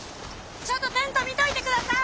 ちょっとテント見といてください！